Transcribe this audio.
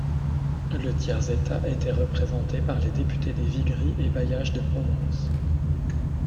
Le tiers-état était représenté par les députés des vigueries et bailliages de Provence.